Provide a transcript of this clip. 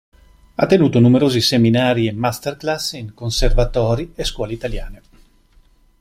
Ha tenuto numerosi Seminari e Masterclass in Conservatori e scuole italiane.